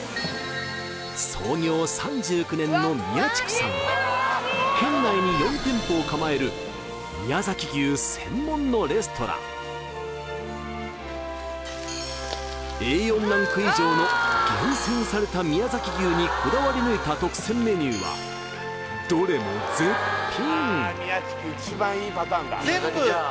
創業３９年のミヤチクさんは県内に４店舗を構えるＡ４ランク以上の厳選された宮崎牛にこだわり抜いた特選メニューはどれも絶品！